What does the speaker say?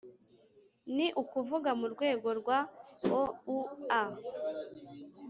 ni ukuvuga mu rwego rwa oua,